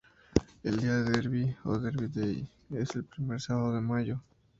El Día del Derby o "Derby Day" es el primer sábado de mayo.